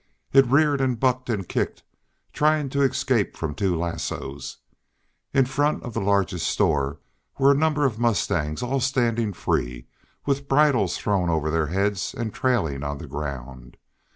It reared and bucked and kicked, trying to escape from two lassoes. In front of the largest store were a number of mustangs all standing free, with bridles thrown over their heads and trailing on the ground.